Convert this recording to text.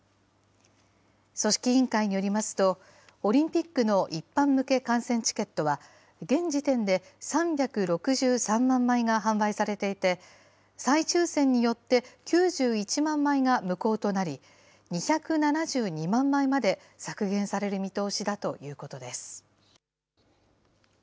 組織委員会によりますと、オリンピックの一般向け観戦チケットは、現時点で３６３万枚が販売されていて、再抽せんによって９１万枚が無効となり、２７２万枚まで削減される見通しだということです。